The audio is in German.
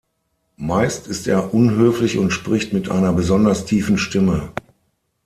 Meist ist er unhöflich und spricht mit einer besonders tiefen Stimme.